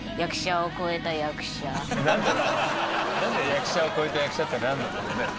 役者を超えた役者ってなんなんだろうね？